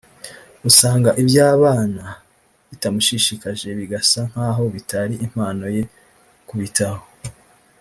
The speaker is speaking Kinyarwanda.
usanga iby’abana bitamushishikaje bigasa nk’aho bitari impano ye kubitaho